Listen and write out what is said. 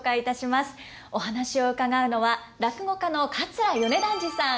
お話を伺うのは落語家の桂米團治さん